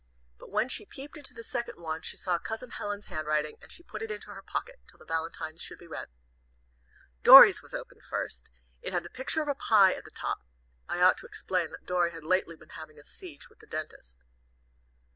But when she peeped into the second one, she saw Cousin Helen's handwriting, and she put it into her pocket, till the valentines should be read. Dorry's was opened first. It had the picture of a pie at the top I ought to explain that Dorry had lately been having a siege with the dentist.